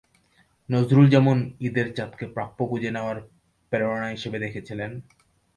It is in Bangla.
নজরুল যেমন ঈদের চাঁদকে প্রাপ্য বুঝে নেওয়ার প্রেরণা হিসেবে দেখেছিলেন।